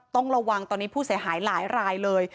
ต้องระวังตอนนี้ผู้เสียหายหลายรายเลย